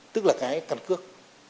tức là cái căn cước